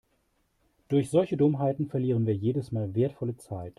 Durch solche Dummheiten verlieren wir jedes Mal wertvolle Zeit.